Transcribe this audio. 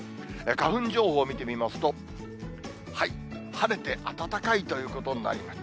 花粉情報見てみますと、晴れて暖かいということになります。